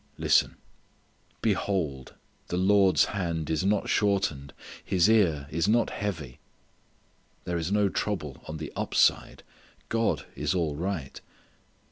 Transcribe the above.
Listen "Behold! the Lord's hand is not shortened: His ear is not heavy." There is no trouble on the up side. God is all right.